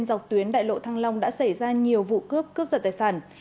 dọc tuyến đại lộ thăng long đã xảy ra nhiều vụ cướp cướp giật tài sản